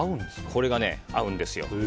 これがね、合うんですよ。